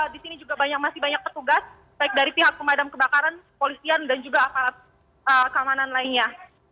di sini juga masih banyak petugas baik dari pihak pemadam kebakaran polisian dan juga aparat keamanan lainnya